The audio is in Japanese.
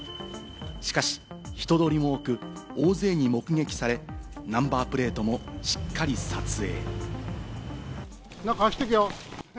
しかし人通りも多く、大勢に目撃され、ナンバープレートもしっかり撮影。